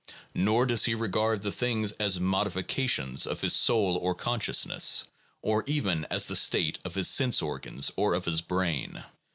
Nor does he regard the things as modifi cations of his soul or consciousness, or even as a state of his sense organs or of his brain.